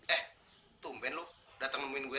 eh tumpen lu datang nemuin gue